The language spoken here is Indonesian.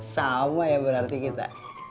sama ya berarti kita